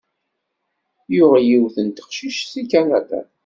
Yuɣ yiwet n teqcict seg Kanada.